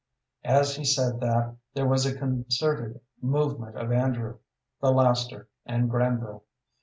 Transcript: As he said that there was a concerted movement of Andrew, the laster, and Granville.